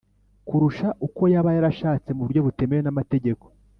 kurusha uko yaba yarashatse mu buryo butemewe n’amategeko.